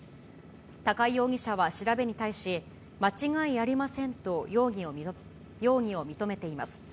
高井容疑者は調べに対し、間違いありませんと容疑を認めています。